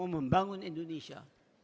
mau membangun indonesia